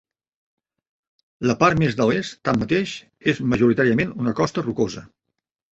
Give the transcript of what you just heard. La part més de l'est, tanmateix, és majoritàriament una costa rocosa.